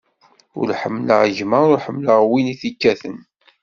Ur ḥemmleɣ gma, ur ḥemmleɣ wi t-ikkaten.